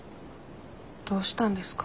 どうしたんですか？